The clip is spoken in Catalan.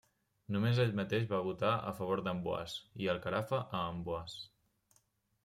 Només ell mateix va votar a favor d'Amboise, i el Carafa a Amboise.